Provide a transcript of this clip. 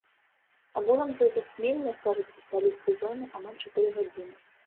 Агулам жа зацьменне, кажуць спецыялісты, зойме амаль чатыры гадзіны.